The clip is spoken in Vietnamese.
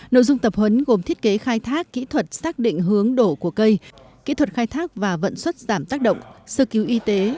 nội dung tập huấn gồm thiết kế khai thác kỹ thuật xác định hướng đổ của cây kỹ thuật khai thác và vận xuất giảm tác động sơ cứu y tế